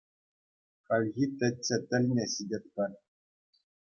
Хальхи Теччӗ тӗлне ҫитетпӗр.